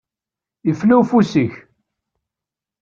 Ifla ufus-ik.